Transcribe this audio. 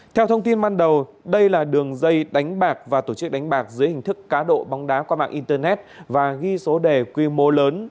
theo thông tin ban đầu đây là đường dây đánh bạc và tổ chức đánh bạc dưới hình thức cá độ bóng đá qua mạng internet và ghi số đề quy mô lớn